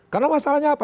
karena masalahnya apa